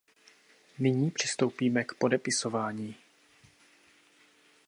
Nyní přistoupíme k podepisování.